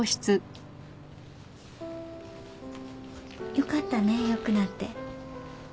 よかったねよくなって。